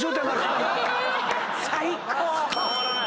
最高！